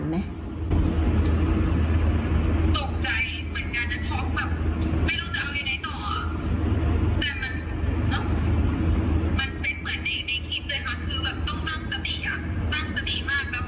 ตกใจเหมือนกันนะช็อคแบบไม่รู้จะเอาไงได้ต่อ